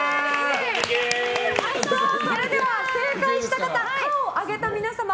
それでは正解した方可を上げた皆さん